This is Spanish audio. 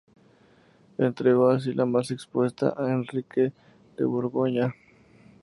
Entregó así la más expuesta a Enrique de Borgoña.